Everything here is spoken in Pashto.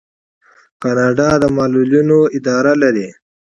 کاناډا د معلولینو اداره لري.